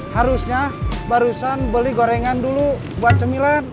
harusnya barusan beli gorengan dulu buat cemilan